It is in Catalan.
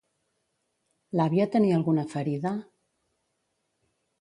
L'àvia tenia alguna ferida?